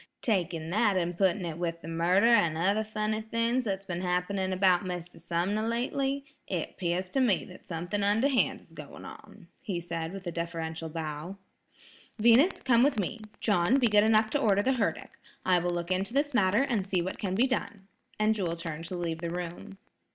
Taking that an' putting it with the murder an' other funny things that's been happening about Mr. Sumner lately, it 'pears to me that something underhand is going on," he said with a deferential bow. "Venus, come with me. John, be good enough to order the herdic. I will look into this matter and see what can be done," and Jewel turned to leave the room.